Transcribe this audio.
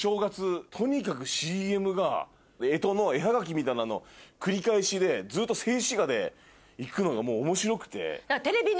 とにかくＣＭが干支の絵ハガキみたいなの繰り返しでずっと静止画でいくのがもう面白くて。